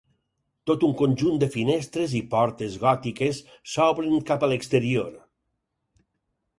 Tot un conjunt de finestres i portes gòtiques s'obren cap a l'exterior.